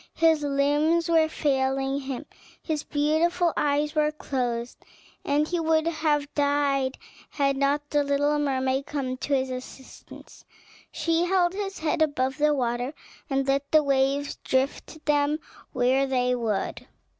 His limbs were failing him, his beautiful eyes were closed, and he would have died had not the little mermaid come to his assistance. She held his head above the water, and let the waves drift them where they would.